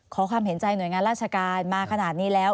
ขอความเห็นใจหน่วยงานราชการมาขนาดนี้แล้ว